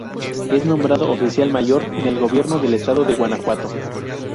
Es nombrado Oficial Mayor en el gobierno del estado de Guanajuato.